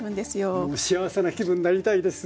僕も幸せな気分になりたいです。